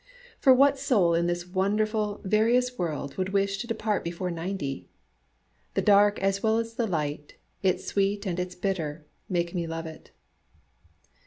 For what soul in this wonderful, various world would wish to depart before ninety! The dark as well as the light, its sweet and its bitter, make me love it.